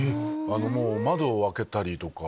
窓を開けたりとか。